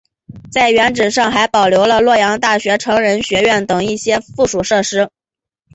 在原址上还保留了洛阳大学成人学院等一些附属设施。